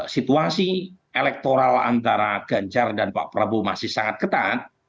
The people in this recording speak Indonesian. situasi elektoral antara ganjar dan pak prabowo masih sangat ketat